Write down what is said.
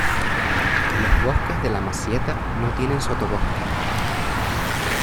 Los bosques de la Masieta no tienen sotobosque.